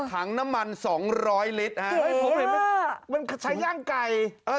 ถังน้ำมัน๒๐๐ลิตรใช้ย่างไก่